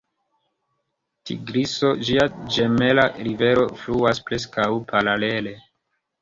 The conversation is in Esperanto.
Tigriso, ĝia ĝemela rivero, fluas preskaŭ paralele.